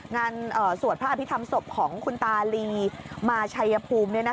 สวดพระอภิษฐรรมศพของคุณตาลีมาชัยภูมิ